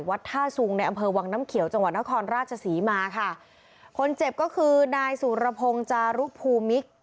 ท่าสุงในอำเภอวังน้ำเขียวจังหวัดนครราชศรีมาค่ะคนเจ็บก็คือนายสุรพงศ์จารุภูมิ